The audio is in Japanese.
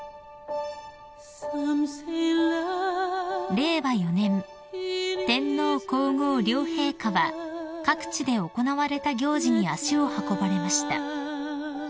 ［令和４年天皇皇后両陛下は各地で行われた行事に足を運ばれました］